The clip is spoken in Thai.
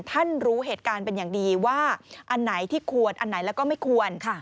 รู้เหตุการณ์เป็นอย่างดีว่าอันไหนที่ควรอันไหนแล้วก็ไม่ควร